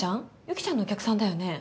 雪ちゃんのお客さんだよね？